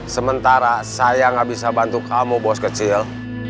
sementara saya gak bisa bantu kamu bos kecil